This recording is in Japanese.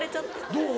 どう？